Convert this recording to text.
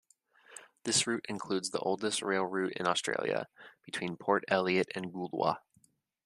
This route includes the oldest rail route in Australia, between Port Elliot and Goolwa.